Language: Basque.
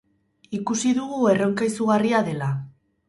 Ikusi dugu erronka izugarria dela.